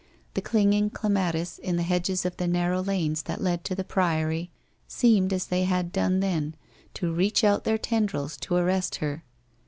The clinging clematis in the hedges of the narrow lanes that led to the priory, seemed, as they had done then, to reach out their tendrils to arrest her.